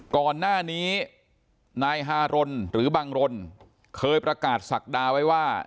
ก่อนหน้านี้นายฮารนหรือบังรนเคยประกาศศักดาไว้ว่า